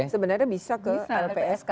sebenarnya bisa ke lpsk